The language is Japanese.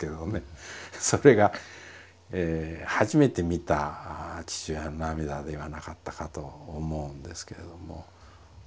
それが初めて見た父親の涙ではなかったかと思うんですけれども。